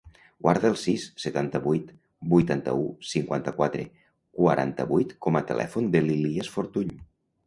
Guarda el sis, setanta-vuit, vuitanta-u, cinquanta-quatre, quaranta-vuit com a telèfon de l'Ilías Fortuny.